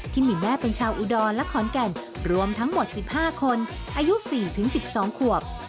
ที่มีแม่เป็นชาวอุดรและขอนแก่นรวมทั้งหมด๑๕คนอายุ๔๑๒ขวบ